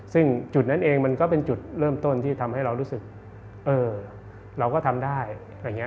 ซึ่งจุดนั้นเองมันก็เป็นจุดเริ่มต้นที่ทำให้เรารู้สึกเออเราก็ทำได้อะไรอย่างนี้